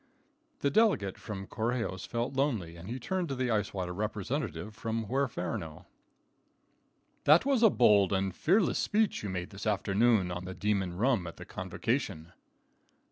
The delegate from Correjos felt lonely, and he turned to the Ice Water representative from Huerferno: "That was a bold and fearless speech you made this afternoon on the demon rum at the convocation."